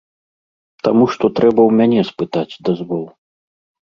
Таму што трэба ў мяне спытаць дазвол.